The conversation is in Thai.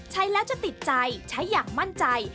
ใช้แล้วจะติดใจใช้อย่างมั่นใจ